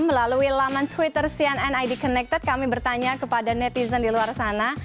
melalui laman twitter cnn id connected kami bertanya kepada netizen di luar sana